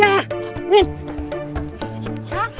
hati hati sobek kang